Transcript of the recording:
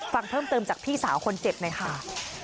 ฟังเพิ่มเติมจากพี่สาวคนเจ็บหน่อยค่ะ